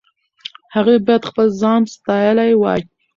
هغې باید خپل ځان ساتلی وای.